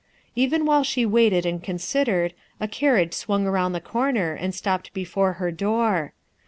Even while she waited and considered carriage swung around the corner and stopped before her door.